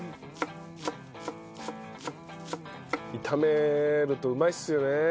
炒めるとうまいっすよね。